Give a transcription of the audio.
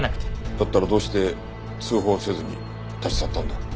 だったらどうして通報せずに立ち去ったんだ？